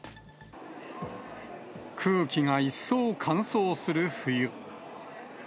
空気が一層乾燥する冬。